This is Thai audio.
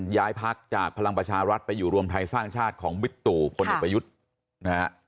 ย้ายพักจากพลังประชารัฐไปอยู่รวมไทยสร้างชาติของบิ๊กตู่พลเอกประยุทธ์นะฮะ